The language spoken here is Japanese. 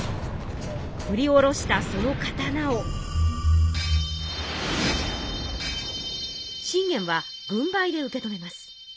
ふりおろしたその刀を信玄は軍配で受け止めます。